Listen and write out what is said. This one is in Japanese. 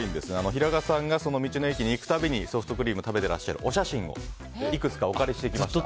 平賀さんが道の駅に行く度にソフトクリームを食べていらっしゃるお写真をいくつかお借りしてきました。